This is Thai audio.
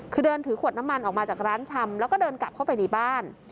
คือเดินถือขวดน้ำมันออกมาจากร้านชำแล้วก็เดินกลับเข้าไปในบ้าน